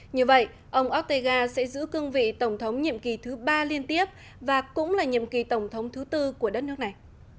như vậy ông otega sẽ giữ cương vị tổng thống nhiệm kỳ thứ ba liên tiếp và cũng là nhiệm kỳ tổng thống thứ tư của đất nước này